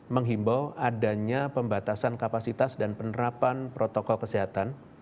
menghimbau adanya pembatasan kapasitas dan penerapan protokol kesehatan